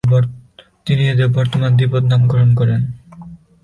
তিনিই এদের বর্তমান দ্বিপদ নামকরণ করেন।